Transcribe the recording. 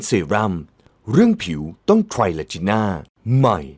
ดูแล้วคงไม่รอดเพราะเราคู่กัน